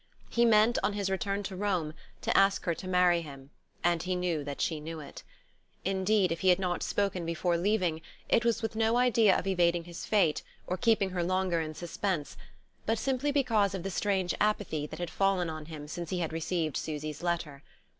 He meant, on his return to Rome, to ask her to marry him; and he knew that she knew it. Indeed, if he had not spoken before leaving it was with no idea of evading his fate, or keeping her longer in suspense, but simply because of the strange apathy that had fallen on him since he had received Susy's letter.